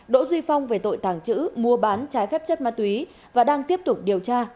đỗ duy phong về tội tàng trữ mua bán trái phép chất ma túy và đang tiếp tục điều tra mở rộng vụ án